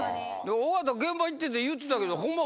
尾形現場行ってて言ってたけどホンマ